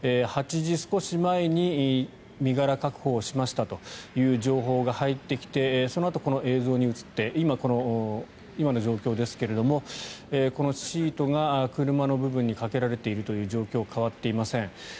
８時少し前に身柄確保しましたという情報が入ってきてそのあと、この映像に移って今の状況ですがこのシートが車の部分にかけられているという状況は変わっていません。